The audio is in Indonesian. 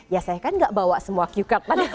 ya saya kan tidak bawa semua q card tadi